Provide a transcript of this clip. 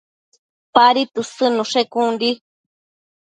Padi tësëdnushe con di